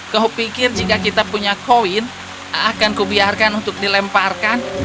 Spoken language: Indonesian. kau pikir jika kita punya koin akan kubiarkan untuk dilemparkan